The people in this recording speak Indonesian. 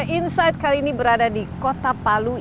insight kali ini berada di kota palu